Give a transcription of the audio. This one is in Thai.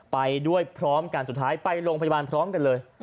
ไปด้วยพร้อมกันสุดท้ายไปโรงพยาบาลพร้อมกันเลย